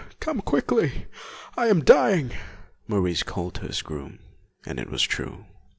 Come quickly! I am dying,' Maurice called to his groom, and it was true.